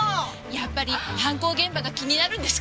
やっぱり犯行現場が気になるんですかね。